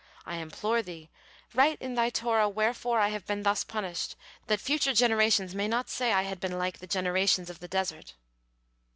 I implore Thee, write in Thy Torah wherefore I have been thus punished, that future generations may not say I had been like the generations of the desert."